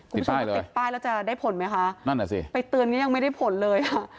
ติดป้ายแล้วจะได้ผลไหมคะนั่นอ่ะสิไปเตือนก็ยังไม่ได้ผลเลยอ่ะ